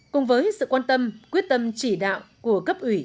cùng với sự quan tâm quyết tâm chỉ đạo của cấp ủy